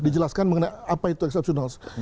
dijelaskan mengenai apa itu exceptional